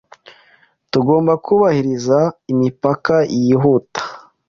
Tugomba kubahiriza imipaka yihuta.